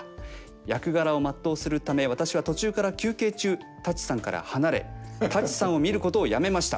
役柄を全うするため私は途中から休憩中舘さんから離れ舘さんを見ることをやめました。